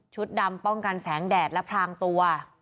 ดำป้องกันแสงแดดและพรางตัว